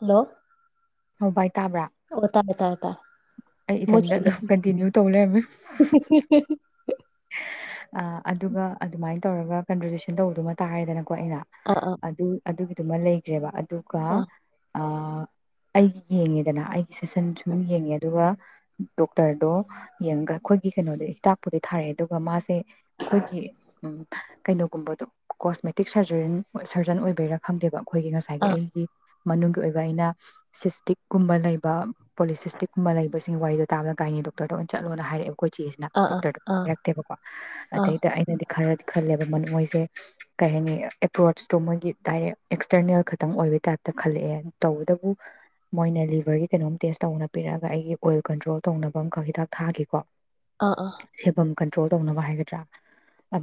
Hello ꯚꯏ ꯇꯥꯕ꯭ꯔꯥ ꯇꯥꯏ ꯇ ꯑꯩ ꯏꯊꯟꯇ ꯑꯗꯨꯝ ꯀꯟꯇꯤꯅ꯭ꯌꯨ ꯇꯧ ꯂꯩꯔꯝꯃꯦ ꯑꯗꯨꯒ ꯑꯗꯨꯃꯥꯏꯅ ꯇꯧꯔꯒ ꯀꯟꯗꯔꯖꯦꯁꯟ ꯇꯧꯕꯗꯨꯃ ꯇꯥꯔꯗꯅꯀꯣ ꯀꯣ ꯑꯩꯅ ꯑꯥ ꯑꯗꯨꯒꯤ ꯑꯗꯨꯃ ꯂꯩꯈ꯭ꯔꯦꯕ ꯇꯀ ꯑꯥ ꯑ ꯑꯩꯒꯤ ꯌꯦꯡꯉꯦꯗꯅ ꯑꯩꯒꯤ ꯁꯦꯁꯟ ꯁꯨꯝ ꯌꯦꯡꯉꯦ ꯑꯗꯨꯒ ꯗꯣꯛꯇꯔꯗꯣ ꯌꯦꯡꯉꯒ ꯑꯩꯈꯣꯏꯒꯤ ꯀꯩꯅꯣꯗ ꯍꯤꯇꯥꯛꯄꯨꯗꯤꯩ ꯊꯥꯔꯛꯑꯦ ꯑꯗꯨꯒ ꯃꯥꯁꯦ ꯑꯩꯈꯣꯏꯒꯤ ꯎꯝ ꯀꯩꯅꯣꯒꯨꯝꯕꯗꯣ ꯀꯣꯁꯃꯦꯇꯤꯛ ꯁꯔꯖ ꯁꯔꯖꯟ ꯑꯣꯏꯕꯩꯔꯥ ꯈꯪꯗꯦꯕ ꯑꯩꯈꯣꯏꯒꯤ ꯉꯁꯥꯏꯒꯤ ꯑꯥ ꯑꯩꯒꯤ ꯃꯅꯨꯡꯒꯤ ꯑꯣꯏꯕ ꯑꯩꯅ ꯁꯤꯁꯇꯤꯛꯀꯨꯝꯕ ꯂꯩꯕ ꯄꯣꯂꯤꯁꯤꯁꯇꯤꯛꯀꯨꯝꯕ ꯂꯩꯕꯁꯤꯡ ꯋꯥꯔꯤꯗꯣ ꯇꯥꯕꯗ ꯒꯥꯏꯅꯤ ꯗꯣꯛꯇꯔꯗ ꯑꯣꯏꯅ ꯆꯠꯂꯣꯅ ꯍꯥꯏꯔꯛꯑꯦꯕ ꯑꯩꯈꯣꯏ ꯆꯦꯁꯤꯅ ꯑꯥ ꯄꯣꯛꯇꯔ ꯑꯥ ꯍꯥꯏꯔꯛꯇꯦꯕꯀꯣ ꯑꯥ ꯑꯗꯩꯗ ꯑꯩꯅꯗꯤ ꯈꯔꯗꯤ ꯈꯜꯂꯦꯕ ꯃꯣꯏꯁꯦ ꯀꯩ ꯍꯥꯏꯅꯤ ꯑꯦꯄ꯭ꯔꯣꯆꯇꯣ ꯃꯣꯏꯒꯤ ꯗꯥꯏꯔꯦꯛ ꯑꯦꯛꯁꯇꯔꯅꯦꯜ ꯈꯛꯇꯪ ꯑꯣꯏꯕꯩ ꯇꯥꯏꯞꯇ ꯈꯜꯂꯛꯑꯦ ꯇꯧꯕꯇꯕꯨ ꯃꯣꯏꯅ ꯂꯤꯚꯔꯒꯤ ꯀꯩꯅꯣꯝ ꯇꯦꯁ ꯇꯧꯅ ꯄꯤꯔꯛꯑꯒ ꯑꯩꯒꯤ ꯑꯣꯏꯜ ꯀꯟꯇ꯭ꯔꯣꯜ ꯇꯧꯅꯕ ꯑꯃꯈꯛ ꯍꯤꯗꯥꯛ ꯊꯥꯈꯤꯀꯣ ꯑꯥ ꯑꯥ ꯁꯦꯐꯝ ꯀꯟꯇ꯭ꯔꯣꯜ ꯇꯧꯅꯕ ꯍꯥꯏꯒꯗ꯭ꯔꯥ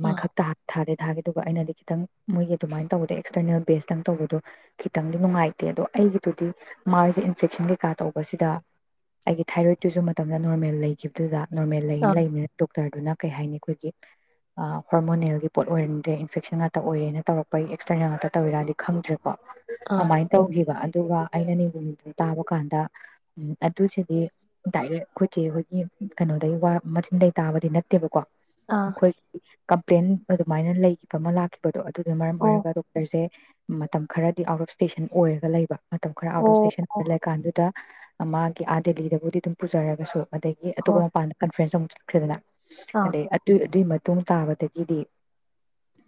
ꯃꯥꯏ ꯑꯥ ꯈꯥꯛꯛꯇ ꯍꯥ ꯊꯔꯗꯦ ꯊꯥꯒꯤꯗꯨꯒ ꯑꯩꯅꯗꯤ ꯈꯤꯇꯪ ꯃꯣꯏꯒꯤ ꯗꯨꯃꯥꯏꯅ ꯇꯧꯕꯗꯣ ꯑꯦꯛꯁꯇꯔꯅꯦꯜ ꯕꯦꯁꯇꯪ ꯇꯧꯕꯗꯣ ꯈꯤꯇꯪꯗꯤ ꯅꯨꯡꯉꯥꯏꯇꯦ ꯑꯗꯣ ꯑꯩꯒꯤꯗꯨꯗꯤ ꯃꯥꯏꯖꯦ ꯏꯟꯐꯦꯛꯁꯟ ꯀꯩꯀꯥ ꯇꯧꯕꯁꯤꯗ ꯑꯩꯒꯤ ꯊꯥꯏꯔꯣꯏꯗꯇꯨꯁꯨ ꯃꯇꯝꯗ ꯅꯣꯔꯃꯦꯜ ꯂꯩꯒꯤꯕꯗꯨꯗ ꯅꯣꯔꯃꯦꯜ ꯑꯥ ꯂꯩꯅ ꯂꯩꯕꯅ ꯗꯣꯛꯇꯔꯗꯨꯅ ꯀꯩ ꯍꯥꯏꯅꯤ ꯑꯩꯈꯣꯏꯒꯤ ꯍꯣꯔꯃꯣꯅꯦꯜꯒꯤ ꯄꯣꯠ ꯑꯣꯏꯔꯝꯗ꯭ꯔꯦ ꯏꯟꯐꯦꯛꯁꯟ ꯉꯥꯛꯇ ꯑꯣꯏꯔꯦꯅ ꯇꯧꯔꯛꯄꯒꯤ ꯑꯦꯛꯁꯇꯔꯅꯦꯜ ꯉꯥꯛꯇ ꯇꯧꯋꯤꯔꯗꯤ ꯈꯪꯗ꯭ꯔꯦ ꯀ ꯑꯥ ꯑꯗꯨꯃꯥꯏꯅ ꯇꯧꯈꯤꯕ ꯑꯗꯨꯒ ꯑꯩꯅ ꯅꯤꯡꯅꯤꯊꯧ ꯅꯤꯇ ꯇꯥꯕ ꯀꯥꯟꯗ ꯑꯗꯨꯁꯤꯗꯤ ꯗꯥꯏꯔꯦꯛ ꯑꯩꯈꯣꯏꯁꯦ ꯑꯩꯈꯣꯏꯒꯤ ꯀꯩꯅꯣꯗꯒꯤꯩ ꯋꯥ ꯃꯆꯤꯟ ꯇꯥꯕꯗꯤ ꯅꯠꯇꯦꯕꯀꯣ ꯑꯥ ꯈꯣꯏ ꯀꯝꯄ꯭ꯂꯦꯟ ꯑꯗꯨꯃꯥꯏꯅ ꯂꯩꯈꯤꯕ ꯑꯃ ꯂꯥꯛꯈꯤꯕꯗꯣ ꯑꯗꯨ ꯑꯗꯨꯅ ꯃꯔꯝ ꯑꯣ ꯑꯣꯏꯔꯒ ꯗꯣꯛꯇꯔꯁꯦ ꯃꯇꯝ ꯈꯔꯗꯤ ꯑꯥꯎꯠ ꯑꯣꯐ ꯁ꯭ꯇꯦꯁꯟ ꯑꯣꯏꯔꯒ ꯂꯩꯕ ꯃꯇꯝ ꯈꯔ ꯑꯥꯎꯠ ꯑꯣꯐ ꯑꯣ ꯁꯇꯦꯁꯟ ꯑꯣ ꯂꯩꯀꯥꯟꯗꯨꯗ ꯃꯥꯒꯤ ꯑꯥ ꯗꯦꯜꯂꯤꯗꯕꯨꯗꯤ ꯑꯗꯨꯝ ꯄꯨꯖꯔꯒꯁꯨ ꯑꯗꯒꯤ ꯍꯣꯏ ꯑꯇꯞꯄꯥꯟ ꯀꯟꯐ꯭ꯔꯦꯟꯁ ꯑꯃ ꯄꯗꯅ ꯑꯥ ꯑꯗꯩ ꯑꯗꯨꯏ ꯑꯗꯨ ꯃ ꯃꯇꯨꯡꯨꯡ ꯇꯥꯕꯗꯒꯤꯗꯤ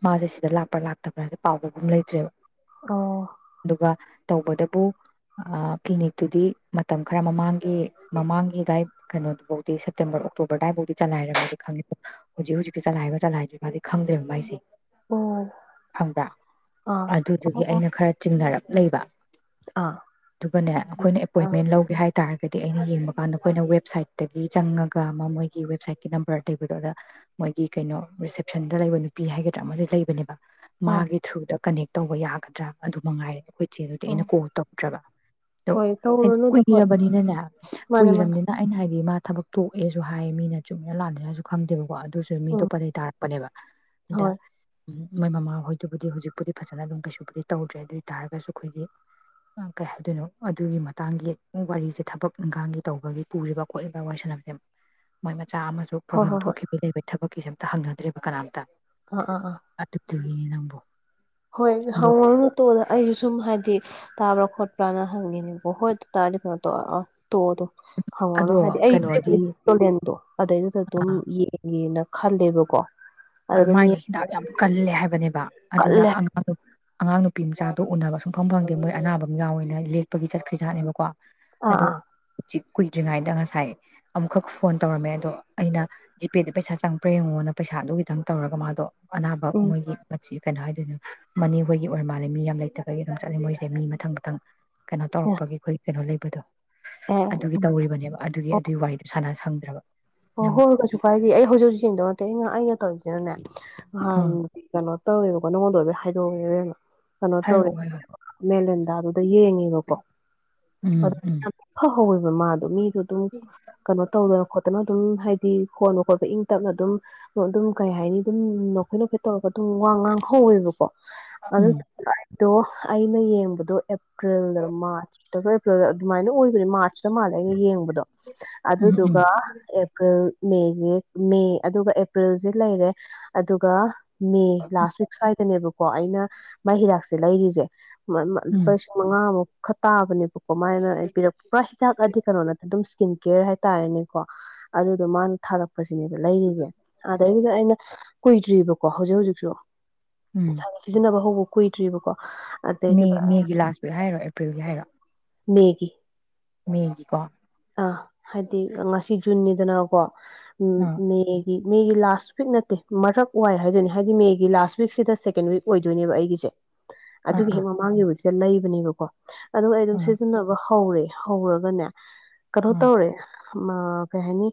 ꯃꯥꯁꯦ ꯁꯤꯗ ꯂꯥꯛꯄ꯭ꯔꯥ ꯂꯥꯛꯇꯕ꯭ꯔꯥ ꯍꯥꯏꯁ ꯄꯥꯎꯕꯒꯨꯝ ꯂꯩꯇ꯭ꯔꯦꯕ ꯑꯣ ꯑꯗꯨꯒ ꯇꯧꯕꯗꯕꯨ ꯀ꯭ꯂꯤꯅꯤꯛꯇꯨꯗꯤ ꯃꯇꯝ ꯈꯔ ꯃꯃꯥꯡꯒꯤ ꯃꯃꯥꯡꯒꯤꯗꯏ ꯀꯩꯅꯣꯐꯧꯗꯤ ꯁꯦꯞꯇꯦꯝꯕꯔ ꯑꯣꯛꯇꯣꯕꯔꯗꯥꯏꯐꯥꯎꯗꯤ ꯆꯂꯥꯏꯔꯝꯃꯦꯗ ꯈꯪꯉꯦ ꯍꯧꯖꯤꯛ ꯍꯧꯖꯤꯛꯤ ꯆꯂꯥꯏꯕ ꯆꯂꯥꯏꯗꯣꯏꯔꯤꯕ ꯃꯥꯗꯤ ꯈꯪꯗꯦꯕ ꯃꯥꯏꯁꯦ ꯑꯣ ꯈꯪꯕ꯭ꯔꯥ ꯑꯥ ꯑꯗꯨꯗꯨꯒꯤ ꯑꯣ ꯑꯩꯅ ꯈꯔ ꯆꯤꯡꯅꯔꯛꯄ ꯂꯩꯕ ꯑꯥ ꯑꯥ ꯑꯗꯨꯒꯅꯦ ꯑꯩꯈꯣꯏꯅ ꯑꯥ ꯑꯦꯄꯣꯏꯟꯃꯦꯟ ꯂꯧꯒꯦ ꯍꯥꯏ ꯍꯥꯏ ꯇꯥꯔꯒꯗꯤ ꯑꯩꯅ ꯌꯦꯡꯕ ꯀꯥꯟꯗ ꯑꯩꯈꯣꯏꯅ ꯋꯦꯕꯁꯥꯏꯠꯇꯒꯤ ꯆꯪꯉꯒ ꯑꯃ ꯃꯣꯏ ꯒꯤ ꯋꯦꯕꯁꯥꯏꯠꯀꯤ ꯅꯝꯕꯔ ꯂꯩꯕꯗꯣ ꯑꯗ ꯃꯣꯏꯒꯤ ꯀꯩꯅꯣ ꯔꯤꯁꯦꯞꯁꯟꯗ ꯂꯩꯕ ꯅꯨꯄꯤ ꯍꯥꯏꯒꯗ꯭ꯔꯥ ꯑꯃꯗꯤ ꯂꯩꯕꯅꯦꯕ ꯃꯥꯒꯤ ꯑꯣ ꯊ꯭ꯔꯨꯗ ꯀꯅꯦꯦꯛ ꯇꯧꯕ ꯌꯥꯒꯗ꯭ꯔꯥ ꯑꯗꯨ ꯃꯉꯥꯏꯔꯦ ꯑꯩꯈꯣꯏ ꯆꯦ ꯑꯗꯨꯗꯤ ꯑꯩꯅ ꯀꯣꯜ ꯇꯧꯗ꯭ꯔꯕ ꯑꯗꯣ ꯍꯣꯏ ꯍꯥꯏꯗꯤ ꯇꯧꯔꯨꯅꯨꯗ ꯍꯣꯏ ꯀꯨꯏꯔꯕꯅꯤꯅꯅꯦ ꯃꯥꯅꯦ ꯃꯥꯅꯦ ꯀꯨꯏꯔꯕꯅꯤꯅ ꯑꯩꯅ ꯍꯥꯏꯗꯤ ꯃꯥ ꯊꯕꯛꯛꯇꯣꯛꯑꯦꯁꯨ ꯍꯥꯏ ꯃꯤꯅ ꯆꯨꯃꯤꯅ ꯂꯥꯅꯤꯅꯁꯨ ꯈꯪꯗꯦꯕꯀꯣ ꯑꯗꯨ ꯑꯗꯨꯁꯨ ꯃꯤ ꯎꯝ ꯑꯇꯣꯞꯄꯗꯒꯤꯩ ꯇꯥꯔꯛꯄꯅꯦꯕ ꯑꯗ ꯍꯣꯏ ꯎ ꯃꯣꯏ ꯃꯃꯥ ꯍꯣꯏꯗꯨꯕꯨꯗꯤ ꯍꯧꯖꯤꯛꯄꯨꯗꯤ ꯐꯖꯅ ꯑꯗꯨꯝ ꯀꯩꯁꯨꯕꯨꯗꯤ ꯇꯧꯗ꯭ꯔꯦ ꯑꯗꯨ ꯑꯣꯏ ꯇꯥꯔꯒꯁꯨ ꯑꯩꯈꯣꯏꯒꯤ ꯀꯩ ꯍꯥꯏꯗꯣꯏꯅꯣ ꯑꯗꯨꯒꯤ ꯃꯇꯥꯡꯒꯤ ꯋꯥꯔꯤꯁꯦ ꯊꯕꯛ ꯏꯪꯈꯥꯡꯒꯤ ꯇꯧꯕꯒꯤ ꯄꯨꯔꯤꯕ ꯈꯣꯠꯂꯤꯕ ꯋꯥꯔꯤ ꯁꯥꯟꯅꯕꯁꯦ ꯃꯣꯏ ꯃꯆꯥꯥ ꯑꯃꯁꯨ ꯍꯣꯏ ꯄ꯭ꯔꯣꯕ꯭ꯂꯦꯝ ꯍꯣꯏ ꯍꯣꯏ ꯊꯣꯛꯈꯤꯕꯒꯤ ꯂꯩꯕ ꯊꯕꯛ ꯀꯁꯦꯝꯇ ꯍꯪꯅꯗ꯭ꯔꯤꯕ ꯀꯅꯥꯝꯇ ꯑ ꯑꯥ ꯑ ꯑꯗꯨꯒꯤꯅꯤ ꯅꯝꯕꯣ ꯍꯣꯏ ꯍꯧꯔ ꯅ ꯇꯣ ꯑꯩꯁꯨ ꯁꯨꯝ ꯍꯥꯏꯗꯤ ꯇꯥꯕ꯭ꯔꯥ ꯈꯣꯠꯄ ꯄ ꯍꯪꯒꯅꯤ ꯇꯥꯔꯤꯐ ꯃꯠꯇ ꯇꯣꯛꯑꯣ ꯑꯗꯨꯣ ꯈꯪꯉꯅꯨ ꯑꯗꯣ ꯍꯥꯏꯗꯤ ꯀꯩꯅꯣꯗꯤ ꯑꯩꯣꯦꯟꯗꯣ ꯑꯗꯨꯗꯩꯗꯨꯗ ꯑꯗꯨꯝ ꯌꯦꯡꯉꯦꯅ ꯈꯜꯂꯦꯕꯀꯣ ꯑꯗ ꯑꯗꯨꯝ ꯑꯗꯨꯃꯥꯏꯅ ꯍꯤꯗꯥꯛ ꯌꯥꯝ ꯀꯜꯂꯦ ꯍꯥꯏꯕꯅꯦꯕ ꯑꯗꯨꯅ ꯀꯜꯂꯦ ꯑꯉꯥꯡ ꯑꯉꯥꯡ ꯅꯨꯄꯤ ꯃꯆꯥꯗꯣ ꯎꯅꯕ ꯁꯨꯡ ꯐꯐꯝ ꯐꯪꯗꯦ ꯃꯣꯏ ꯑꯅꯥꯕ ꯃ ꯌꯥꯎ ꯑꯣꯏꯅ ꯂꯦꯛꯄꯒꯤ ꯆꯠꯈ꯭ꯔꯤꯖꯥꯠꯅꯦꯕꯀꯣ ꯑꯥ ꯑꯗꯣ ꯑꯥ ꯆꯛ ꯀꯨꯏꯗ꯭ꯔꯤꯉꯩꯗ ꯉꯁꯥꯏ ꯑꯃꯨꯛꯈꯛ ꯐꯣꯟ ꯇꯧꯔꯝꯃꯦ ꯑꯗꯣ ꯑꯩꯅ ꯖꯤꯄꯦꯗ ꯄꯩꯁꯥ ꯆꯪꯕ꯭ꯔꯥ ꯌꯦꯡꯉꯣꯅ ꯄꯩꯁꯥꯗꯨꯒꯤ ꯈꯤꯇꯪ ꯇꯧꯔꯒ ꯃꯥꯗꯣ ꯑꯅꯥꯕ ꯎꯝ ꯃꯣꯏꯒꯤ ꯃꯆꯤ ꯀꯩꯅꯣ ꯍꯥꯏꯗꯣꯏꯅꯣ ꯃꯅꯤ ꯍꯣꯏꯒꯤ ꯑꯣꯏꯔ ꯃꯥꯜꯂꯦ ꯃꯤ ꯌꯥꯝ ꯂꯩꯇꯕꯒꯤ ꯑꯗꯨꯝ ꯆꯠꯂꯤꯦ ꯃꯣꯏꯁꯦ ꯃꯤ ꯃꯊꯪ ꯃꯊꯪ ꯀꯩꯅꯣ ꯑꯦ ꯇꯧꯔꯛꯄꯒꯤ ꯑꯩꯈꯣꯏ ꯀꯩꯅꯣ ꯂꯩꯕ ꯎꯗꯣ ꯑꯗꯨꯒꯤ ꯑꯣ ꯇꯧꯔꯤꯕꯅꯦꯕ ꯑꯗꯨꯒꯤ ꯑꯗꯨꯒꯤ ꯋꯥꯔꯤꯗꯣ ꯁꯥꯟꯅ [unintelligible] ꯑꯣ ꯅꯪꯕꯨ ꯍꯣꯏ ꯀꯩꯁꯨ ꯀꯥꯏꯗꯦ ꯑꯩ ꯍꯧꯖꯤꯛ ꯍꯧꯖꯤꯛ ꯌꯦꯡꯗꯧ ꯅꯠꯇꯦ ꯑꯩꯅ ꯑꯩꯅ ꯇꯧꯔꯤꯁꯦ ꯑꯗꯨꯅ ꯍ ꯑꯥ ꯆꯣ ꯇꯧꯋꯦꯕꯀꯣ ꯅꯉꯣꯟꯗ ꯑꯣꯏꯣꯏ ꯍꯥꯏꯗꯣꯛꯎꯦꯕꯅ ꯀꯩꯅꯣ ꯇꯧ ꯍꯥꯏꯔꯛꯑꯣ ꯍꯥꯏꯔꯛꯑꯣ ꯃꯦꯂ ꯑꯗꯨꯗ ꯌꯦꯡꯉꯦꯕꯀꯣ ꯎꯝ ꯎꯝ ꯍꯧꯋꯦꯕ ꯃꯥꯗꯣ ꯃꯤ ꯑꯗꯨꯝ ꯀꯩꯅꯣ ꯇꯧꯗ ꯈꯣ ꯑꯗꯨꯝ ꯍꯥꯏꯗꯤ ꯈꯣꯟꯠꯅ ꯈꯣꯠꯄ ꯏꯪ ꯇꯞꯅ ꯑꯗꯨꯝ ꯑꯗꯨꯝ ꯀꯩ ꯍꯥꯏꯅꯤ ꯑꯗꯨꯝ ꯅꯣꯈꯩꯠ ꯅꯣꯈꯩꯠ ꯇꯧꯔꯒ ꯑꯗꯨꯝ ꯋꯥ ꯉꯥꯡꯍꯧꯋꯦꯕꯀꯣ ꯎꯝ ꯑꯣ ꯑꯩꯅ ꯌꯦꯡꯕꯗꯣ ꯑꯦꯄ꯭ꯔꯤꯜꯗ ꯃꯥꯔꯆ ꯑꯦꯄ꯭ꯔꯤꯜꯗ ꯑꯗꯨꯃꯥꯏꯅ ꯑꯣꯏꯕꯅꯤ ꯃꯥꯔꯆ ꯁꯇ ꯃꯥꯜꯂꯦꯒ ꯌꯦꯡꯕꯗꯣ ꯎꯝ ꯎꯝ ꯑꯗꯨꯗꯨꯒ ꯑꯦꯄ꯭ꯔꯤꯜ ꯃꯦꯁꯦ ꯃꯦ ꯑꯗꯨꯒ ꯑꯦꯄ꯭ꯔꯤꯜꯁꯦ ꯂꯩꯔꯦ ꯑꯗꯨꯒ ꯃꯦ ꯂꯥꯁ ꯋꯤꯛ ꯁ꯭ꯋꯥꯏꯗꯅꯦꯕꯀꯣ ꯑꯩꯅ ꯃꯥꯏ ꯍꯤꯗꯥꯛꯁꯦ ꯂꯩꯔꯤꯁꯦ ꯂꯨꯄꯥ ꯎꯝ ꯃꯉꯥ ꯑꯃ ꯈꯇꯥꯕꯅꯦ ꯀꯃꯥꯏꯅ ꯏꯄꯤꯔꯛꯄ꯭ꯔꯥ꯫ ꯆꯥꯛꯑꯗꯤ ꯀꯩꯅꯣ ꯅꯠꯇꯦ ꯑꯗꯨꯝ ꯏꯁ꯭ꯀꯤꯟ ꯀꯦꯌꯥꫪ ꯍꯥꯏꯇꯥꯔꯦꯅꯦꯀꯣ꯫ ꯑꯗꯨꯗꯣ ꯃꯥꯅ ꯊꯥꯔꯛꯄꯁꯤꯅꯦꯕ ꯂꯩꯔꯤꯁꯦ ꯑꯗꯩꯗ ꯑꯩꯅ ꯀꯨꯏꯗ꯭ꯔꯤꯕꯀꯣ ꯍꯧꯖꯤꯛ ꯍꯧꯖꯤꯛꯁꯨ꯫ ꯎꯝ [unintelligible] ꯁꯤꯖꯤꯟꯅꯕ ꯍꯧꯕ꯫ ꯀꯨꯏꯗ꯭ꯔꯤꯕ ꯀꯣ꯫ ꯃꯦ ꯃꯦꯒꯤ ꯂꯥꯁ ꯋꯤꯛ ꯍꯥꯏꯔꯣ ꯑꯦꯄ꯭ꯔꯤꯜꯒꯤ ꯍꯥꯏꯔꯣ꯫ ꯃꯦꯒꯤ꯫ ꯃꯦꯒꯤꯀꯣ꯫ ꯑꯥ ꯍꯥꯏꯗꯤ ꯉꯁꯤ ꯖꯨꯟꯅꯤꯗꯅꯀꯣ꯫ ꯎꯝ ꯑꯥ ꯃꯦꯒꯤ꯫ ꯃꯦꯒꯤ ꯂꯥꯁ ꯋꯤꯛ ꯅꯠꯇꯦ ꯃꯔꯛ ꯋꯥꯏ ꯍꯥꯏꯗꯣꯏꯅꯦ ꯍꯥꯏꯗꯤ ꯃꯦꯒꯤ ꯂꯥꯁ ꯋꯤꯛꯁꯤꯗ ꯁꯦꯀꯦꯟ ꯋꯤꯛ ꯑꯣꯏꯗꯣꯏꯅꯦꯕ ꯑꯩꯒꯤꯁꯦ꯫ ꯑꯥ ꯑꯗꯨꯒꯤ ꯑꯥ ꯍꯦꯛ ꯃꯃꯥꯡꯒꯤ ꯋꯤꯛ꯫ ꯂꯩꯕꯅꯦꯕꯀꯣ ꯑꯗꯨ ꯑꯩ꯫ ꯑꯥ ꯁꯤꯖꯤꯟꯅꯕ꯫ ꯍꯧꯔꯦ ꯍꯧꯔꯒꯅꯦ꯫ ꯀꯩꯅꯣ ꯑꯥ ꯇꯧꯔꯦ꯫ ꯃ ꯀꯩ ꯍꯥꯏꯅꯤ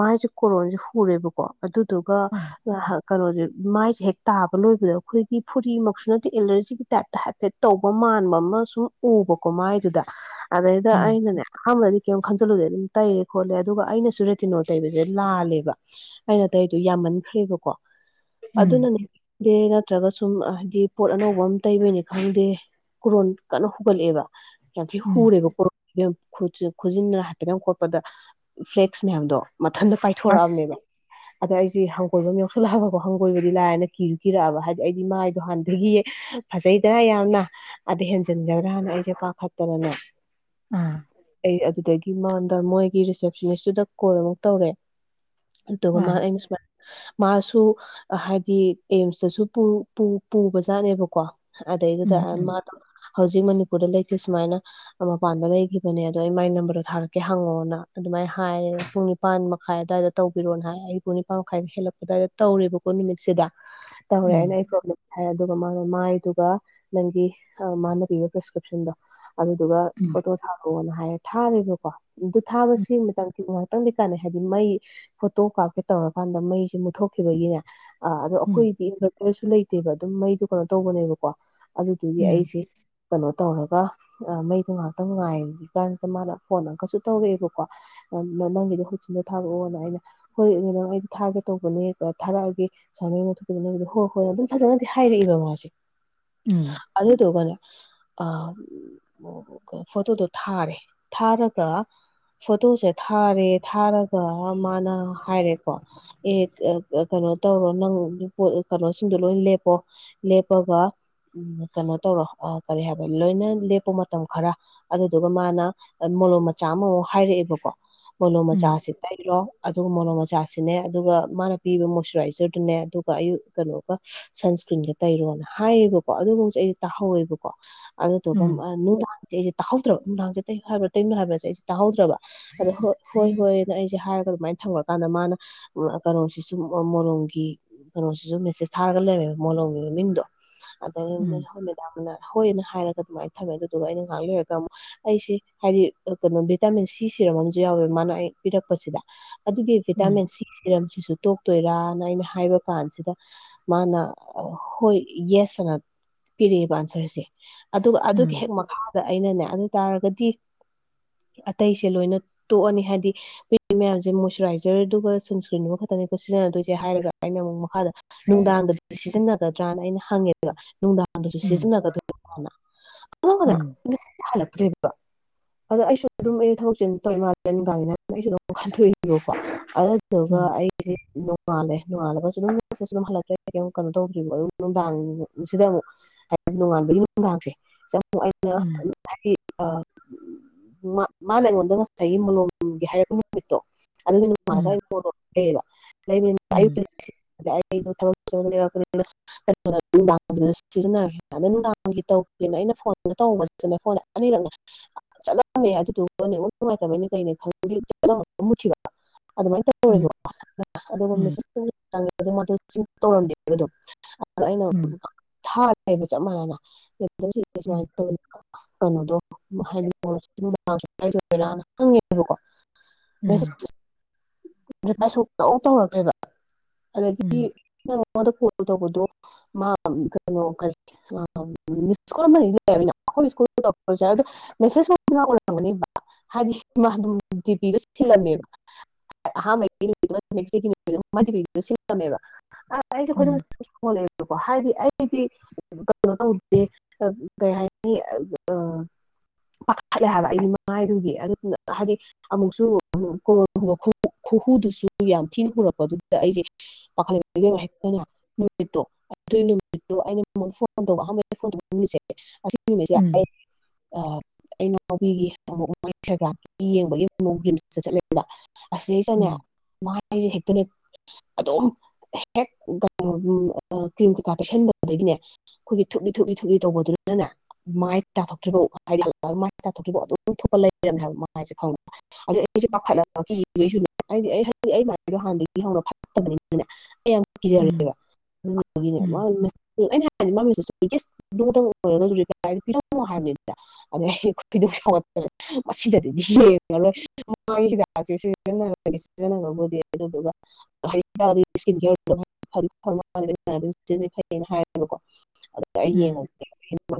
ꯃꯥꯥꯏꯁꯦ ꯀꯣꯔꯣꯟꯁꯦ ꯍꯨꯔꯦꯕꯀꯣ꯫ ꯑꯗꯨꯗꯨꯒ ꯑꯥ [unintelligible] ꯀꯩꯅꯣꯁꯦ ꯃꯥꯏꯁꯦ ꯍꯦꯛ ꯇꯥꯕ ꯂꯣꯏꯕꯗ ꯑꯈꯣꯏꯒꯤ ꯐꯨꯔꯤꯃꯛꯁꯨ ꯅꯠꯇꯦ ꯑꯦꯂꫪꯖꯤꯒꯤ ꯇꯥꯏꯞꯇ ꯍꯥꯏꯐꯦꯠ ꯇꯧꯕ ꯃꯥꯟꯕ ꯑꯃ ꯁꯨꯝ ꯎꯕꯀꯣ ꯃꯥꯏ꯫ ꯗꯨꯗ꯫ ꯑꯗ ꯎꯝ ꯑꯩꯅꯅꯦ [unintelligible] ꯀꯩꯝ ꯈꯟꯖꯤꯜꯂꯨꯗꯦ ꯑꯗꯨꯝ ꯇꯩꯔꯦ ꯈꯣꯠꯂꯦ ꯑꯗꯨꯒ ꯑꯩꯅꯁꯨ ꯔꯦꯇꯤꯅꯣ ꯇꯩꯕꯁꯦ ꯂꯥꯜꯂꯦꯕ ꯑꯩꯅ ꯇꯩꯗꯣ ꯌꯥꯝꯃꯟꯈ꯭ꯔꯦꯕꯀꯣ꯫ ꯎꯝ ꯑꯗꯨꯅꯅꯦ ꯗꯦ ꯅꯠꯇ꯭ꯔꯒ ꯁꯨꯝ ꯍꯥꯏꯗꯤ꯫ ꯄꯣꯠ ꯑꯅꯧꯕ ꯑꯃ ꯇꯩꯕꯅꯤ ꯈꯪꯗꯦ ꯀꯨꯔꫭꯟ ꯀꯟꯅ ꯍꯨꯒꯠꯂꯛꯑꯦꯕ꯫ ꯌꯥꯝ ꯊꯤ ꯎꯝ ꯍꯨꯔꯦꯕ ꯀꯨꯔꫭꯟ ꯏꯕꯦꯝ꯫ ꯈꯨꯖ ꯈꯨꯖꯤꯟꯗꯨꯅ ꯍꯥꯏꯐꯦꯠꯇꯪ ꯈꯣꯠꯄꯗ ꯐ꯭ꯂꯦꯛꯁ ꯃꯌꯥꯝꯗꯣ꯫ ꯃꯊꯟꯇ ꯑꯁ ꯄꯥꯏꯊꯣꯔꯛꯑꯕꯅꯦꯕ꯫ ꯑꯗ ꯑꯩꯁꯦ ꯍꯪꯒꯣꯏꯕꯃ ꯌꯥꯎꯁꯜꯂꯛꯑꯕꯀꯣ ꯍꯪꯒꯣꯏꯕꯗꯤ ꯂꯥꯏꯔꯅ ꯀꯤꯁꯨ ꯀꯤꯔꯛꯑꯕ ꯍꯥꯏꯗꯤ ꯑꯩꯗꯤ ꯃꯥꯏꯗꯣ ꯍꯥꯟꯅꯗꯒꯤ ꯐꯖꯩꯗꯅꯥ ꯌꯥꯝꯅ ꯑꯗ ꯍꯦꯟꯖꯤꯟꯒꯗ꯭ꯔꯥꯅ ꯑꯩꯁꯦ ꯄꯥꯈꯠ꯫ ꯇꯅꯅꯦ꯫ ꯎꯝ꯫ ꯑꯩ ꯑꯗꯨꯗꯒꯤ ꯃꯉꯣꯟꯗ ꯃꯣꯏꯒꯤ ꯔꯤꯁꯦꯞꯁꯅꯤꯁꯇꯨꯗ ꯀꯣꯜ ꯑꯃꯨꯛ ꯇꯧꯔꯦ꯫ ꯑꯗꯨꯒ ꯃꯥ ꯑꯥ ꯑꯩꯅ ꯁꯨꯃꯥꯏ꯫ ꯃꯥꯁꯨ ꯍꯥꯏꯗꯤ ꯑꯦꯝꯁꯇꯁꯨ ꯄꯨ ꯄꯨ ꯄꯨꯕ ꯖꯥꯠꯅꯦꯕꯀꯣ꯫ ꯑꯗꯩꯗꯨꯗ ꯎꯝ ꯎꯝ ꯃꯥ ꯍꯧꯖꯤꯛ ꯃꯅꯤꯄꯨꫪ꯫ [inaudible] ꯁꯨꯃꯥꯏꯅ ꯃꯄꯥꯟꯗ ꯂꯩꯈꯤꯕꯅꯦ ꯑꯗꯣ ꯑꯩ ꯃꯥꯏ ꯅꯝꯕꫪꯗꯣ ꯊꯥꯔꯛꯀꯦ ꯍꯪꯉꯣꯅ ꯑꯗꯨꯃꯥꯏꯅ ꯍꯥꯏꯌꯦ ꯄꯨꯡ ꯅꯤꯄꯥꯟ ꯃꯈꯥꯏ ꯑꯗꯨꯋꯥꯏꯗ ꯇꯧꯕꯤꯔꯣꯅ ꯍꯥꯏ ꯑꯌ꯫ ꯄꯨꯡ ꯅꯤꯄꯥꯟ ꯃꯈꯥꯏꯃꯨꯛ ꯍꯦꯜꯂꯛꯄ ꯑꯗꯥꯏꯗ ꯇꯧꯔꯦꯕꯀꯣ ꯅꯨꯃꯤꯠꯁꯤꯗ ꯇꯧꯔꯦ ꯑꯩꯅ ꯎꯝ [unintelligible] ꯍꯥꯏꯔ ꯑꯗꯨꯒ ꯃꯥꯅ ꯃꯥꯏꯗꯨꯒ ꯅꯪꯒꯤ ꯍ ꯃꯥꯅ ꯄꯤꯕ ꯄ꯭ꯔꯦꯁꯀ꯭ꯔꯤꯞꯁꯟꯗꯣ ꯑꯗꯨꯗꯨꯒ ꯎꯝ ꯐꯣꯇꯣ ꯊꯥꯔꯛꯣꯂꯑꯣꯅ ꯍꯥꯏꯔꯦ ꯊꯥꯔꯦꯕꯀꯣ ꯑꯗꯨ ꯎꯝ ꯊꯥꯕꯁꯤ ꯃꯇꯝ ꯈꯤ ꯉꯥꯏꯍꯥꯛꯇꯪꯗꯤ ꯀꯥꯟꯅꯩ ꯍꯥꯏꯕꯗꯤ ꯃꯩ ꯐꯣꯇꯣ ꯀꯥꯞꯀꯦ ꯇꯧꯔꯀꯥꯟꯗ ꯃꯩꯁꯦ ꯃꯨꯠꯊꯣꯛꯈꯤꯕꯒꯤꯅꯦ ꯑ ꯑꯗꯣ ꯎꯝ ꯑꯩꯈꯣꯏꯗꯤ ꯏꯟꯚꯔꯇꯔꯁꯨ ꯂꯩꯇꯦꯗꫭ ꯑꯗꯨꯝ ꯃꯩꯗꯣ ꯀꯩꯅꯣ ꯇꯧꯕꯅꯦꯕꯀꯣ ꯑꯗꯨꯗꯨꯒꯤ ꯎꯝ ꯑꯩꯁꯦ ꯀꯩꯅꯣ ꯇꯧꯔꯒ ꯑ ꯃꯩꯗꯣ ꯉꯥꯍꯥꯛꯇꯪ ꯉꯥꯏꯔꯤ ꯀꯥꯟꯁꯤꯗ ꯃꯥꯅ ꯐꯣꯟ ꯑꯃꯨꯛꯀꯁꯨ ꯇꯧꯔꯛꯑꯦꯕꯀꯣ ꯅ ꯅꯪꯒꯤꯗꯣ ꯍꯖꯤꯛꯃꯛ ꯊꯥꯔꯛꯑꯣꯅ ꯑꫭꯅ ꯍꯣꯏ ꯃꯦꯗꯥꯝ ꯑꯩꯗꯣ ꯊꯥꯒꯦ ꯇꯧꯕꯅꯦ ꯀ ꯊꯥꯔꯛꯑꯒꯦ ꯁꯨꯃꯥꯏꯅ ꯃꯩ ꯃꯨꯠꯊꫭꯛ [unintelligible] ꯍꯣꯏ ꯍꯣꯏ ꯑꯗꯨꯝ ꯐꯖꯅꯗꯤ ꯍꯥꯏꯔꯛꯏꯕ ꯃꯥꯁꯦ ꯍ ꯎꯝ ꯑꯗꯨꯗꯨꯒꯅꯦ ꯑꯝ ꯎ [unintelligible] ꯐꯣꯇꯣꯗꯣ ꯊꯥꯔꯦ ꯊꯥꯔꯒ ꯐꯣꯇꯣꯁꯦ ꯊꯥꯔꯦ ꯊꯥꯔꯒ ꯃꯥꯅ ꯍꯥꯏꯔꯦꯀꯣ ꯑꯦ ꯀ ꯀ ꯀꯩꯅꯣ ꯇꯧꯔꯣ ꯅꯪ ꯔꯤꯄꫭꯠ ꯑ ꯀꯩꯅꯣꯁꯤꯡꯗꯣ ꯂꯣꯏ ꯂꯦꯞꯄꯣ ꯂꯦꯞꯄꯒ ꯎꯝ ꯀꯩꯅꯣ ꯇꯧꯔꯣ ꯀꯔꯤ ꯍꯥꯏꯕ ꯂꯣꯏꯅ ꯂꯦꯞꯄ ꯃꯇꯝ ꯈꯔ ꯑꯗꯨꯗꯨꯒ ꯃꯥꯅ ꯑꯝ ꯃꯣꯂꯣꯝ ꯃꯆꯥ ꯑꯃꯃꯨꯛ ꯍꯥꯏꯔꯛꯑꯦꯕꯀꯣ ꯃꯣꯂꯣꯝ ꯎꯝ ꯃꯆꯥꯁꯦ ꯇꯩꯔꫭ ꯑꯗꯨꯒ ꯃꯣꯂꫭꯝ ꯃꯆꯥꯁꯤꯅꯦ ꯑꯗꯨꯒ ꯃꯥꯅ ꯄꯤꯕ ꯃꯣꯁꯆꯨꯔꯥꯏꯖꯔꯗꯨꯅꯦ ꯑꯗꯨꯒ ꯑꯌꯨꯛ ꯀꯩꯅꯣꯒ ꯁꯟꯁꯀ꯭ꯔꯤꯟꯒ ꯇꯩꯔꯣꯅ ꯍꯥꯏꯌꯦꯕꯀꯣ ꯑꯗꯨꯕꯧꯖꯦ ꯑꯩꯖꯤ ꯇꯥꯍꯧꯋꯦꯕꯀꯣ ꯎꯝ [unintelligible] ꯇꯥꯍꯧꯗ꯭ꯔꯕ ꯅꯨꯡꯗꯥꯡꯁꯦ ꯇꯩꯌꯨ ꯍꯥꯏꯕ꯭ꯔꯥ ꯇꯩꯅꯨꯕ꯭ꯔ ꯍꯥꯏꯕ꯭ꯔꯥꯁꯦ ꯑꯩꯁꯦ ꯇꯥꯍꯧꯗ꯭ꯔꯕ ꯑꯗꯣ ꯍꯣꯏ ꯍꯣꯏ ꯍꯥꯏꯅ ꯑꯩꯁꯦ ꯍꯥꯏꯔꯒ ꯑꯗꯨꯃꯥꯏꯅ ꯊꯝꯈ꯭ꯔꯀꯥꯟꯗ ꯃꯥꯅ ꯀꯩꯅꯣꯁꯤꯁꯨ ꯃꯣ ꯃꫭꯂꯣꯝꯒꯤ ꯀꯩꯅꯣꯁꯤꯁꯨ ꯃꯦꯁꯦꯁ ꯊꯥꯔꯒ ꯂꯩꯔꯝꯃꯦꯕ ꯃꯣꯂꯣꯝꯒꯤ ꯃꯃꯤꯡꯗꯣ ꯎꯝ ꯎꯝ ꯎꯝ ꯎꯝ ꯎꯝ ꯎꯝ ꯎꯝ ꯎꯝ ꯎꯝ ꯎꯝ ꯎꯝ ꯑꯗꯩꯅꯤ ꯍꫭꯏ ꯃꯦꯗꯥꯝꯅ ꯍꯣꯏꯅ ꯍꯥꯏꯔ ꯑꯗꯨꯃꯥꯏꯅ ꯊꯝꯃꯦ ꯑꯗꯨꯗꯨꯒ ꯑꯩꯅ ꯉꯥꯏꯍꯥꯛ ꯂꯩꯩꯔꯒ ꯑꯃꯨꯛ ꯑꯩꯁꯤ ꯍꯥꯏꯗꯤ ꯑ ꯀꯩꯅꯣ ꯚꯤꯇꯥꯃꯤꯟ ꯁꯤ ꯁꯤꯔꯝ ꯑꯃꯁꯨ ꯌꯥꯎꯋꯦ ꯃꯥꯅ ꯑꯩ ꯄꯤꯔꯛꯄꯁꯤꯗ ꯑꯗꯨꯒꯤ ꯚꯤꯇꯥꯃꯤꯟ ꯎꯝ ꯁꯤ ꯁꯤꯔꯝꯁꯤꯁꯨ ꯇꯣꯛ ꯇꯣꯏꯔꯥꯅ ꯑꯩꯅ ꯍꯥꯏꯕ ꯀꯥꯟꯁꯤꯗ ꯃꯥꯅ ꯑ ꯍꯣꯏ ꯌꯦꯁ ꯑꯅ ꯄꯤꯔꯛ ꯏꯕ ꯑꯟꯁꯔꯁꯦ ꯑꯗꯨꯒ ꯑꯗꯨꯒꯤ ꯎꯝ ꯎꯝ ꯎꯝ ꯎꯝ ꯎꯝ ꯎꯝ ꯎꯝ ꯎꯝ ꯎꯝ ꯍꯦꯛ ꯃꯈꯥꯗ ꯑꯩꯅꯅꯦ ꯑꯗꯨ ꯇꯥꯔꯒꯗꯤ ꯑꯇꯩꯁꯦ ꯂꯣꯏꯅ ꯇꯣꯛꯑꯅꯤ ꯍꯥꯏꯗꯤ [unintelligible] ꯃꯌꯥꯝꯁꯦ ꯃꯣꯁꯆꯨꯔꯥꯏꯖꯔꯗꯨꯒ ꯁꯟꯁꯀ꯭ꯔꯤꯟꯗꯨꯒ ꯈꯛꯇꯅꯦꯀꯣ ꯁꯤꯖꯤꯟꯅꯗꯣꯏꯁꯦ ꯍꯥꯏꯔꯒ ꯑꯩꯅ ꯑꯃꯨꯛ ꯃꯈꯥꯗ ꯅꯨꯡꯗꯥꯡꯗꯤ ꯁꯤꯖꯤꯟꯅꯒꯗ꯭ꯔꯅ ꯑꯩꯅ ꯍꯪꯉꯦꯕ ꯅꯨꯡꯗꯥꯡ ꯑꯗꯨꯁꯨ ꯁꯤꯖꯤꯟꯅꯒꯗ [unintelligible] ꯔꫭꯅ [unintelligible] ꯍꯜꯂꯛꯇ꯭ꯔꯦꯕ ꯑꯗ ꯑꯩꯁꯨ ꯑꯗꯨꯝ ꯑꯩꯩꯁꯨ ꯊꯕꯛ ꯆꯤꯟ ꯇꯧꯔꯤ ꯃꯥꯜꯂꯦ [unintelligible] ꯑꯩꯁꯨ ꯑꯗꯨꯝ ꯈꯟꯗꯣꯛꯑꯦꯕꯀꯣ [unintelligible] ꯅꫭꯡꯉꯥꯜꯂꯦ ꯅꯣꯡꯉꯥꯂꯒꯁꯨ ꯑꯗꯨꯝ ꯃꯦꯁꯦ [unintelligible] ꯍꯜꯂꯛꯇ꯭ꯔꯦ ꯀꯩꯝ ꯀꯩꯅꯣ ꯇꯧꯗ꯭ꯔꯤ [unintelligible] ꯅꯨꯡꯗꯥꯡꯕꯧ ꯁꯤꯗ ꯑꯃꯨꯛ ꯍꯥ [unintelligible] ꯅꯣꯡꯉꯥꯟꯕꯒꯤ ꯅꯨꯡꯗꯥꯡꯁꯦ [unintelligible] [unintelligible] ꯃꯥ ꯃꯥꯅ ꯑꯩꯉꫭꯟꯗ ꯉꯁꯥꯏꯒꯤ ꯃꫭꯂꯣꯝꯗꫭ [unintelligible] ꯍꯥꯏꯔꯛꯄ ꯅꯨꯃꯤꯠꯇꯣ ꯑꯗꯨꯒꯤ [unintelligible] ꯑꯩꯗꯣ ꯊꯕꯛꯛꯩꯅ ꯅꯨꯡꯗꯥꯡ ꯁꯤꯖꯤꯟꯅꯔꯦ ꯑꯗꯣ ꯅꯨꯡꯗꯥꯡꯒꯤ ꯇꯧ꯫ ꯑꯗꯨ ꯑꯩꯅ ꯐꯣꯟꯗ ꯇꯧꯕꯁꯤꯗꯅ ꯐꯣꯟ ꯑꯅꯤꯔꯛꯅꯦ ꯆꯠꯂꯝꯃꯦ ꯑꯗꯨꯗꯨꯒ ꯅꯨꯡꯉꯥꯏꯇꯕꯩꯅ ꯀꯩꯅ ꯈꯂꯝ ꯃꯨꯔ꯫ ꯑꯗꯨꯃꯥꯏꯅ ꯇꯧꯍꯧꯔꯤꯕꯀꯣ ꯑꯗꯨꯒ꯫ ꯃ ꯇꯧꯔꯝꯗꯦꯣ꯫ [inaudible] ꯩꯅ ꯎꯝ ꯊ [inaudible] ꯂꯩꯕ ꯆꯞ ꯃꯥꯟꯅꯅ꯫ ꯑꯗꯨ ꯁꯔꯤꯁꯥꯏ ꯇ꯫ [inaudible] ꯀꯩꯅꯣꯗꯣ ꯍꯥꯏꯗꯤ ꯏꯔꯅ ꯍꯪꯉꯦꯕꯀꯣ꯫ ꯃꯁ [inaudible] ꯄꯥꯏꯁꯣꯛꯇꯧ ꯇꯧꯔꯛꯀꯦꯕ꯫ ꯑꯗꯒꯤ꯫ ꯃꯉꯣꯟꯗ ꯀꯣꯜ ꯇꯧꯕꯗꯣ ꯃꯥ ꯀꯩꯅꯣ ꯀꯔꯤ ꯃꯤꯁ ꯀꯣꯜꯗꯤ ꯂꯩꯔꯃꯒꯅꯤꯅꯥ꯫ ꯍꯥꯏꯗꯤ ꯃꯥ ꯑꯗꯨꯗꯤ ꯄ [inaudible] ꯃꯦ꯫ ꯑꯍꯥꯟꯕ ꯁꯤꯝꯕ꯫ ꯑꯩꯗꯤ ꯈꯣꯏꯗꯧ ꯁꯥꯎꯒꯠꯂꯦ꯫ ꯍꯥꯏꯗꯤ ꯑꯩꯗꯤ ꯀꯩꯅꯣ ꯇꯧꯗꯦ ꯀꯩ ꯍꯥꯏꯅꯤ ꯄꯥꯈꯠꯂꯦ ꯍꯥꯏꯕ ꯑꯩꯒꯤ ꯃꯉꯥꯏꯗꯨꯒꯤ ꯑꯗꯨꯗꯨꯅ ꯍꯥꯏꯗꯤ ꯑꯃꯨꯛꯁꯨ꯫ ꯈꯨꯍꯨꯗꯨꯁꯨ ꯌꯥꯝ ꯊꯤꯅ ꯍꯨꯔꯛꯄꯗꯨꯗ ꯑꯩꯁꯦ ꯄꯥꯈꯠꯂꯦ꯫ [inaudible] ꯅꯨꯃꯤꯠꯇ ꯑꯩꯅ ꯐꯣꯟ ꯇꯧꯕꯩꯅ ꯐꯣꯟꯦ [inaudible] ꯁ [inaudible] ꯑꯩꯅꯉꯥꯎꯕꯤꯒꯤ ꯏꯟꯁꯇꯥꯒ꯭ꯔꯥꯝ ꯌꯦꯡꯕꯒꯤ ꯆꯠꯂꯦꯕ꯫ ꯑꯁꯤꯁꯤꯅꯦ ꯃꯥꯁꯦ ꯍꯦꯛꯇꯅꯦ꯫ ꯑꯗꯨꯝ ꯍꯦꯛ ꯀ꯭ꯔꯤꯝ ꯀꯩꯀꯥ ꯇꯩꯁꯟꯕꯗꯒꯤꯅꯦ ꯑꯩꯈꯣꯏꯒꯤ ꯑꯗꯨꯝ ꯍꯦꯛ ꯀꯩꯅꯣ ꯗꯨ ꯀꯔ꯭ꯤꯝ ꯀꯩꯀꯥ ꯇꯩꯁꯤꯟꯕꯒꯤꯅꯦ ꯊꯨꯞꯂꯤ ꯊꯨꯞꯂꯤ ꯊꯨꯞꯂꯤ ꯇꯧꯕꯗꯨꯅꯤꯅꯅꯦ ꯃꯥꯏ ꯇꯥꯊꯣꯛꯇ꯭ꯔꯤꯕꯥꯎ ꯍꯥꯏꯗꯤ ꯃꯥꯏ ꯇꯥꯊꯣꯛꯇ꯭ꯔꯤꯕꯥꯎ ꯑꯗꯨꯝ ꯊꯣꯛꯄ ꯂꯩꯅꯦꯕ꯫ ꯁꯦ ꯈꯪꯕ ꯑꯗꯨ ꯑꯩꯁꯨꯦ ꯄꯥꯈꯠꯂ [inaudible] ꯍꯧ ꯍꯥꯟꯗꯒꯤ ꯍꯧꯔ ꯐ꯫ [inaudible] ꯀꯤꯖꯔꯦꯕ ꯑꯩꯅ ꯑꯗꯨꯗꯨꯒꯤꯅꯦ ꯑꯩꯅ ꯍꯥꯏꯗꯤꯅꯦ꯫ ꯃꯃꯤ ꯄꯤꯔꯝꯃꯣ ꯍꯥꯏꯕꯗꯨꯗ ꯑꯗ ꯑꯩ ꯐꯗꯣꯛ ꯁꯧꯒꯦ ꯃꯁꯤꯗꯗꯤꯗꯤꯡꯉ ꯂꯣꯏ꯫ ꯟꯅ ꯁꯤꯖꯤꯟꯅꯕꯕꯨꯗꯤ ꯑꯗꯨꯗꯨꯒ ꯍꯥꯏꯕꯀꯣ꯫ ꯎꯝ ꯑ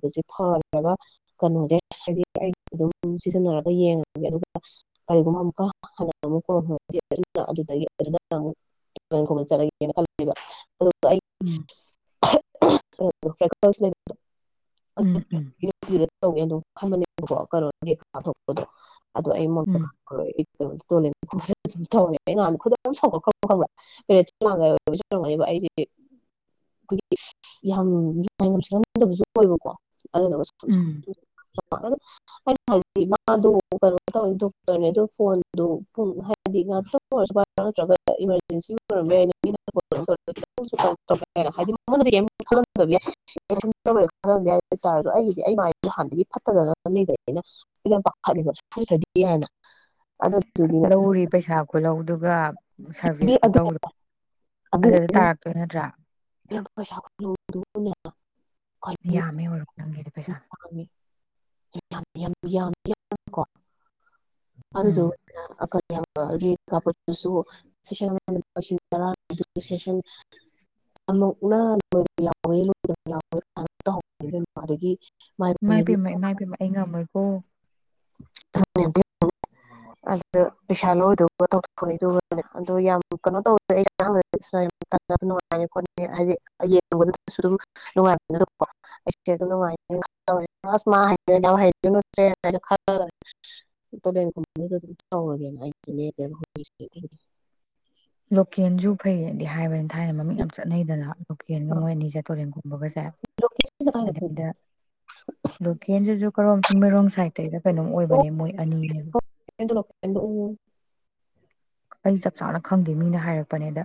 [inaudible] ꯕꯁꯦ ꯐ꯭ꯔꯒ ꯀꯩꯅꯣꯁꯦ ꯍꯥꯏꯗꯤ ꯑꯩ ꯑꯗꯨꯝ ꯁꯤꯖꯤꯟꯅꯔꯒ ꯌꯦꯡꯉꯒ ꯑꯗꯨꯝ [inaudible] [unintelligible] ꯀꯔꯤꯒꯨꯝꯕ ꯑꯃꯨꯛꯀ ꯍ ꯑꯃꯨꯛ ꯆꯠꯂꯒꯦꯅ ꯈꯜꯂꯕ꯫ ꯑꯗꯨꯗꯣ ꯑꯩ꯫ ꯐ [inaudible] ꯎꯝ [unintelligible] ꯑꯗꯨ ꯇꯧꯅꯤꯗꯣ꯫ [unintelligible] ꯑꯗꯨ ꯑꯩ [unintelligible] ꯎꯝ [unintelligible] [unintelligible] ꯍꯥꯏꯗꯤ ꯃꯥ ꯗꯣ ꯀꯩꯅꯣ ꯇꯧꯋꯤ ꯗꯣꯛꯇꯔꯅꯦ ꯑꯗꯨ ꯐꯣꯟꯗꯨ ꯄꯨꯡ ꯍꯥꯏꯗꯤ ꯉꯥꯛꯇꯪ ꯑꯣꯏꯔꯁꯨ ꯅꯠꯇ꯭ꯔꯒ ꯏꯃꯥꯔꯖꯦꯟꯁꯤ ꯑꯣꯏꯔ ꯌꯥꯏ ꯍꯥꯏꯗꯤ ꯃꯉꯣꯟꯗ ꯀꯩꯝ ꯈꯜꯂꯝ ꯗꯕꯁꯨ ꯌꯥꯏ ꯑꯩꯒꯤꯗꯤ ꯑꯩ ꯃꯥꯒꯤ ꯍꯥꯟꯗꯒꯤ ꯐꯠꯇꯗꯅ ꯂꯩꯕꯩꯅ [unintelligible] ꯑꯗꯨꯗꯨꯒꯤꯅꯦ ꯂꯧꯔꯤ ꯄꯩꯁꯥ ꯈꯨꯂꯧꯗꯨ ꯒ ꯁꯥꯔꯚꯤꯁ ꯑꯗꯨ ꯈꯨꯇꯧꯗꯣ ꯑꯗꯨ ꯑꯗꯨꯗꯤ ꯇꯥꯔꯛꯇꯣꯏ ꯅꯠꯇ꯭ꯔꯥ꯫ [unintelligible] ꯌꯥꯃꯦ ꯑꯣꯏꯔꯝ ꯅꯥꯪꯒꯤꯗꯣ ꯄꯦꯁꯥ꯫ [unintelligible] ꯑꯗꯨꯗꯨ ꯎꯝ ꯂꯛ ꯑꯒ [unintelligible] [unintelligible] ꯏꯃꯥꯏ ꯄꯦꯝꯃ ꯏꯃꯥꯏ ꯄꯦꯝꯃ ꯑꯩ ꯉꯝꯃꯣꯏꯀꯣ! [unintelligible] [unintelligible] ꯃꯣꯏꯗꯣ ꯑꯗꯨꯝ ꯇꯧꯔꯒꯦꯅ ꯑꯩꯖ ꯂꯦꯞꯄꯦꯕꯥ ꯫ ꯂꯣꯀꯦꯟꯁꯨ ꯐꯩꯌꯦꯗꯤ ꯍꯥꯏꯕꯅꯦ꯫ ꯊꯥꯏꯅ ꯃꯃꯤꯡ ꯌꯥꯝ ꯆꯠꯅꯩꯗꯅ꯫ ꯂꯣꯀꯦꯜꯒ ꯃꯣꯏ ꯑꯅꯤ ꯆꯦ ꯇꯨꯔꯦꯟꯒꯨꯝꯕꯒꯁꯦ ꯁꯤꯅ ꯀꯥꯏꯗ ꯈꯪꯒꯦ ꯑꯗꯨꯗꯩꯗ ꯂꯣꯀꯦꯜꯁꯤꯁꯨ ꯀꯔꯣꯝ ꯆꯤꯡꯃꯩꯔꯣꯡ ꯑꯇꯩꯗ ꯀꯩꯅꯣꯝ ꯑꯣꯏꯕꯅꯦ ꯃꯣꯏ ꯑꯅꯤꯅꯦꯕ꯫ ꯑꯩ ꯆꯞ ꯆꯥꯅ ꯈꯪꯗꯦ ꯃꯤꯅ ꯍꯥꯏꯔꯛꯄꯅꯦꯗ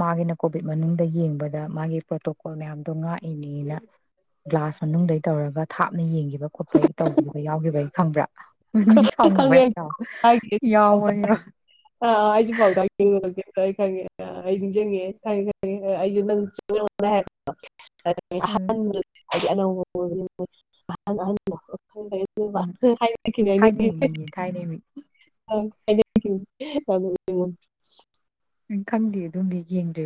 ꯃꯥꯒꯤꯅ ꯀꯣꯚꯤꯠ ꯃꯅꯨꯡꯗ ꯌꯦꯡꯕꯗ ꯃꯥꯒꯤ ꯄ꯭ꯔꯣꯇꯣꯀꯣꯜ ꯃꯌꯥꯝꯗꯣ ꯉꯥꯛꯏꯅꯦꯅ ꯒ꯭ꯂꯥꯁ ꯃꯅꯨꯡꯗ ꯇꯧꯔꯒ ꯊꯥꯞꯅ ꯌꯦꯡꯒꯤ꯫ ꯈꯣꯠꯄ ꯇꯧꯈꯤꯕ ꯌꯥꯎꯈꯤꯕꯩ꯫ ꯈꯪꯕ꯭ꯔꯥ? ꯃꯤ ꯁꯥꯎꯅꯕ ꯌꯥꯎ ꯌꯥꯎꯕꯅꯦꯕꯥ꯫ ꯑ ꯑ ꯍꯑꯩꯖꯤ ꯄꯥꯎ ꯇꯥꯒꯤ [unintelligible] ꯑꯩ ꯈꯪꯉꯦ ꯑ ꯑꯩ ꯅꯤꯡꯁꯤꯡꯉꯦ ꯈꯪꯉꯦ ꯈꯪꯉꯦ ꯑꯩꯁꯨ ꯅꯪ ꯎꯝ [unintelligible] [unintelligible] ꯍꯥꯏꯗꯤ ꯑꯅꯧꯕ ꯎꯝ [unintelligible] [unintelligible] ꯊꯥꯏꯅꯩ ꯃꯤꯅꯤ ꯊꯥꯏꯅꯩ ꯃꯤ꯫ ꯃ [unintelligible] ꯈꯪꯗꯦ ꯑꯗꯨꯃꯗꯤ ꯌꯦꯡꯗꯦ